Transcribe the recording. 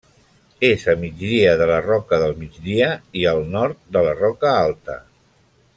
És a migdia de la Roca del Migdia i al nord de la Roca Alta.